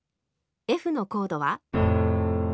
Ｆのコードは。